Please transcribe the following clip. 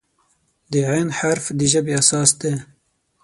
د "ع" حرف د ژبې اساس دی.